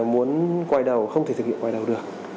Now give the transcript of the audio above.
muốn quay đầu không thể thực hiện quay đầu được